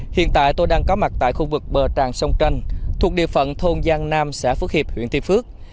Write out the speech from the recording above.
hiện tại tôi đang có mặt tại khu vực bờ tràng sông tranh thuộc địa phận thôn giang nam xã phước hiệp huyện tuy phước